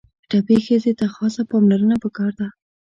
ټپي ښځې ته خاصه پاملرنه پکار ده.